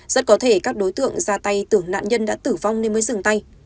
rất có thể các đối tượng ra tay tưởng nạn nhân đã tử vong nên mới dừng tay